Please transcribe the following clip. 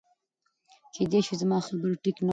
کېدی شي زما خبره ټیک نه وه